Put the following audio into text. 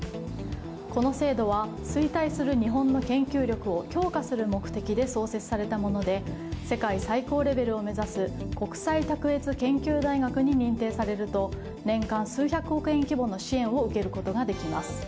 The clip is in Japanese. この制度は衰退する日本の研究力を強化する目的で創設されたもので世界最高レベルを目指す国際卓越研究大学に認定されると年間数百億円規模の支援を受けることができます。